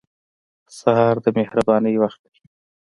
سهار د مهربانۍ وخت دی.